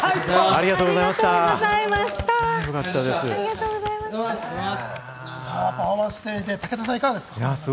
ありがとうございます！